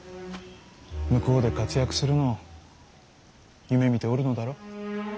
向こうで活躍するのを夢みておるのだろう。